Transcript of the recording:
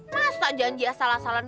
masa janji asal asalan